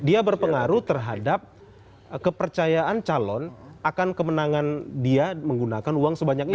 dia berpengaruh terhadap kepercayaan calon akan kemenangan dia menggunakan uang sebanyak itu